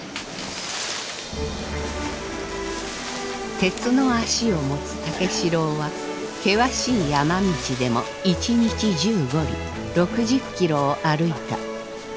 鉄の足を持つ武四郎は険しい山道でも一日１５里６０キロを歩いた。